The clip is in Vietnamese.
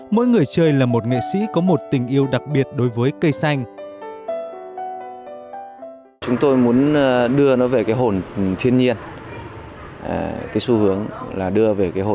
mỗi người chơi là một nghệ sĩ có một tình yêu đặc biệt đối với cây xanh